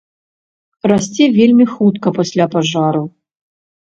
Расце вельмі хутка пасля пажару.